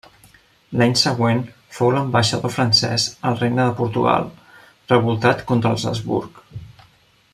L'any següent fou l'ambaixador francès al Regne de Portugal, revoltat contra els Habsburg.